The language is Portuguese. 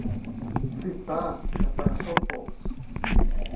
Citar é para totós!